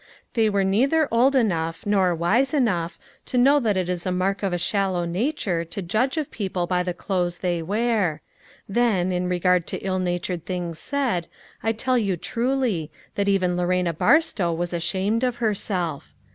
They were neither old enough, nor wise enough, to know that it is a mark of a shal low nature to judge of people by the clothes they wear; then, in regard to the ill riatured things said, I tell you truly, that even Lorena Barstow was ashamed of herself.